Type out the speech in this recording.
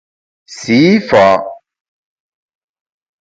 Sî fa’ !